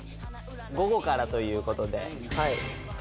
午後からという事で。